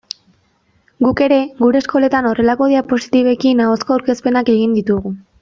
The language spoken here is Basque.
Guk ere gure eskoletan horrelako diapositibekin ahozko aurkezpenak egin ditugu.